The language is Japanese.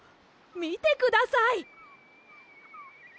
みてください！